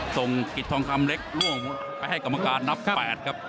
กิจทองคำเล็กล่วงไปให้กรรมการนับ๘ครับ